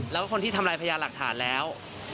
แล้วก็คนที่ทำลายพยานหลักฐานแล้ว